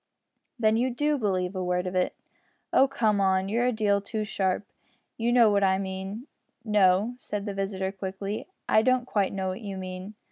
"Then you do believe a word of it?" "Oh! come, you're a deal too sharp. You know what I mean." "No," said his visitor, quickly, "I don't quite know what you mean.